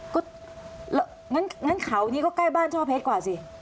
เกือบร้อยโลว่ะงั้นเขานี่ก็ใกล้บ้านช่อเพชรกว่าสิ